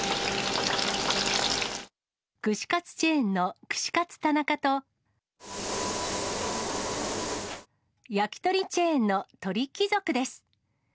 串カツチェーンの串カツ田中と、焼き鳥チェーンの鳥貴族です。